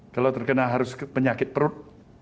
kalau terkena harus penyakit perut